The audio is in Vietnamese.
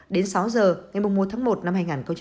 đến sáu giờ ngày mùng một tháng một năm hai nghìn hai mươi hai